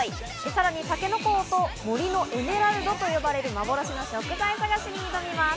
さらにタケノコ王と森のエメラルドといわれる幻の食材探しに挑みます。